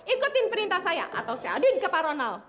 ikutin perintah saya atau saya audin ke pak ronald